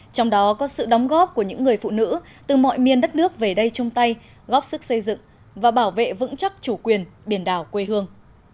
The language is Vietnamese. trong đó có sự đóng góp của những người phụ nữ từ mọi miền đất nước về đây chung tay góp sức xây dựng và bảo vệ vững chắc chủ quyền biển đảo quê hương